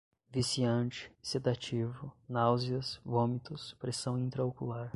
viciante, sedativo, náuseas, vômitos, pressão intra-ocular